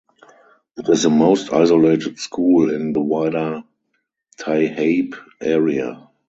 It is the most isolated school in the wider Taihape area.